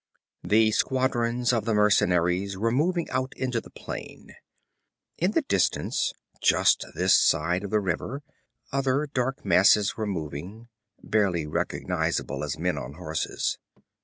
The squadrons of the mercenaries were moving out into the plain. In the distance, just this side of the river, other dark masses were moving, barely recognizable as men on horses.